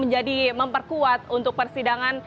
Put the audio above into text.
jadi bekuat untuk persidangan